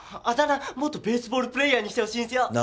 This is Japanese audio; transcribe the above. あだ名元ベースボールプレーヤーにしてほしいんすよ。